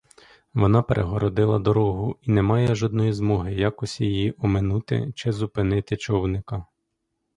Вона перегородила дорогу, і нема жодної змоги якось її оминути чи зупинити човника.